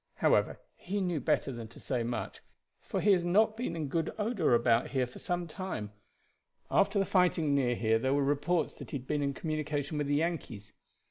However, he knew better than to say much, for he has not been in good odor about here for some time. After the fighting near here there were reports that he had been in communication with the Yankees.